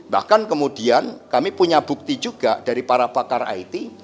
bahkan kemudian kami punya bukti juga dari para pakar it